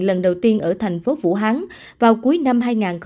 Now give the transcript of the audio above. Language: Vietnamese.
lần đầu tiên ở thành phố vũ hán vào cuối năm hai nghìn một mươi chín